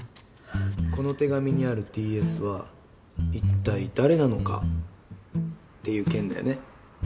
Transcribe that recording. この手紙にあるＴ・Ｓは一体誰なのかっていう件だよね？